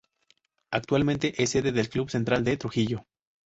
Actualmente es sede del Club Central de Trujillo.